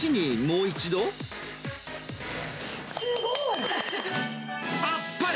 すごい！あっぱれ！